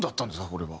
これは。